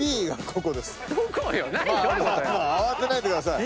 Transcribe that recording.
⁉まあ慌てないでください。